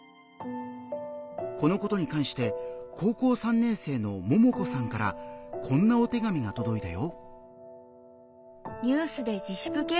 このことに関して高校３年生のももこさんからこんなお手紙がとどいたよ。